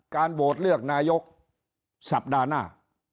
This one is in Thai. โหวตเลือกนายกสัปดาห์หน้า